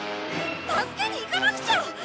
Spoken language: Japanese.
助けに行かなくちゃ！